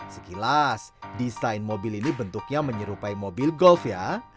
sekilas desain mobil ini bentuknya menyerupai mobil golf ya